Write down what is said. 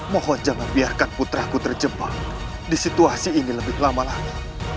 mohon jangan biarkan putraku terjebak di situasi ini lebih lama lagi